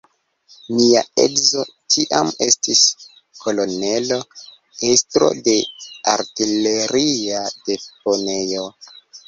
Mia edzo tiam estis kolonelo, estro de artileria deponejo.